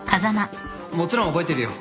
もちろん覚えてるよ